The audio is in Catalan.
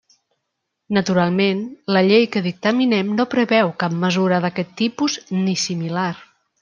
Naturalment, la Llei que dictaminem no preveu cap mesura d'aquest tipus, ni similar.